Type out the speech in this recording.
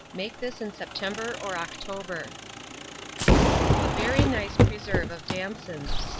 Make this in September or October. A VERY NICE PRESERVE OF DAMSONS.